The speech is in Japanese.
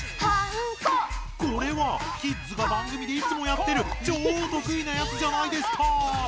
これはキッズが番組でいつもやってる超とくいなやつじゃないですか！